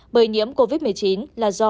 bởi nhiễm covid một mươi chín là do